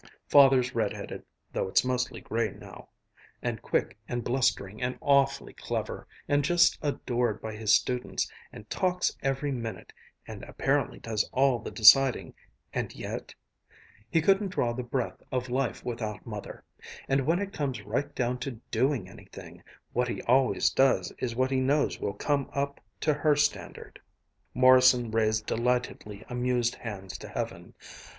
Father's red headed (though it's mostly gray now), and quick, and blustering, and awfully clever, and just adored by his students, and talks every minute, and apparently does all the deciding, and yet ... he couldn't draw the breath of life without Mother; and when it comes right down to doing anything, what he always does is what he knows will come up to her standard." Morrison raised delightedly amused hands to heaven.